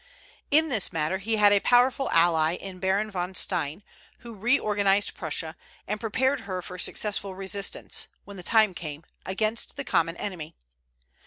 In this matter he had a powerful ally in Baron von Stein, who reorganized Prussia, and prepared her for successful resistance, when the time came, against the common enemy.